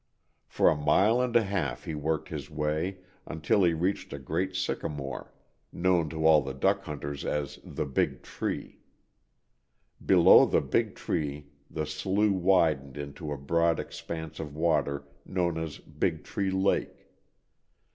For a mile and a half he worked his way, until he reached a great sycamore, known to all the duck hunters as the "Big Tree." Below the Big Tree the slough widened into a broad expanse of water known as Big Tree Lake.